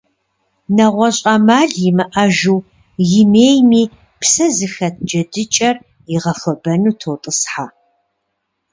НэгъуэщӀ Ӏэмал имыӀэжу, имейми, псэ зыхэт джэдыкӀэр игъэхуэбэну тотӀысхьэ.